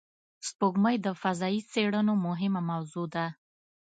سپوږمۍ د فضایي څېړنو مهمه موضوع ده